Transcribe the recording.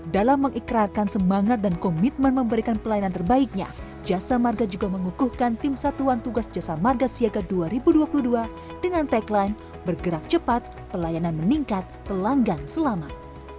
dalam mengikrarkan semangat dan komitmen memberikan pelayanan terbaiknya jasa marga juga mengukuhkan tim satuan tugas jasa marga siaga dua ribu dua puluh dua dengan tagline bergerak cepat pelayanan meningkat pelanggan selamat